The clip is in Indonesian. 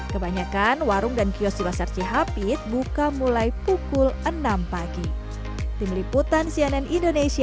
kebanyakan warung dan kios di los cihapit buka mulai pukul enam pagi